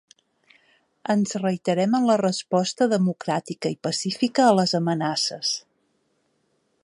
Ens reiterem en la resposta democràtica i pacífica a les amenaces.